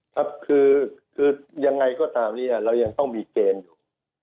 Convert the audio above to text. ครับคือยังไงก็ตามเนี่ยเรายังต้องมีเกณฑ์อยู่